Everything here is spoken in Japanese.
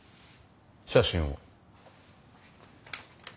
写真を。